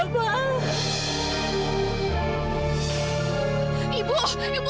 paling tidak saya tahu nama